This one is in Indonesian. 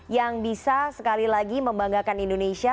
yang bisa sekali lagi membanggakan indonesia